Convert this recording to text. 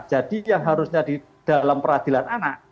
jadi yang harusnya di dalam peradilan anak